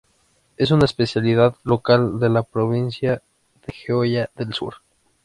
Es una especialidad local de la provincia de Jeolla del Sur.